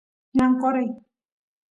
ñan qoray